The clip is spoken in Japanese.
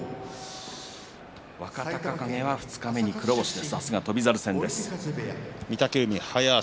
若隆景は二日目に黒星です。